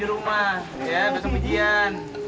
di rumah ya besok pujian